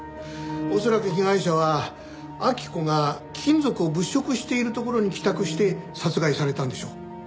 恐らく被害者は明子が貴金属を物色しているところに帰宅して殺害されたんでしょう。